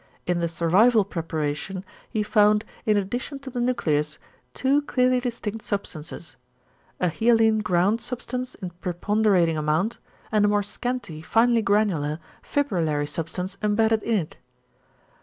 In the 'survival' preparation he found, in addition to the nucleus, two clearly distinct substances: a hyaline ground substance in preponderating amount, and a more scanty, finely granular, fibrillary substance embedded in it.